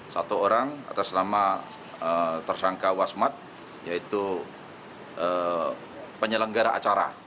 satu orang atas nama tersangka wasmat yaitu penyelenggara acara